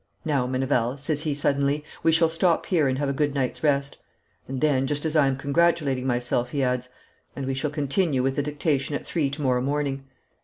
"Now, Meneval," says he suddenly, "we shall stop here and have a good night's rest." And then, just as I am congratulating myself, he adds, "and we shall continue with the dictation at three to morrow morning."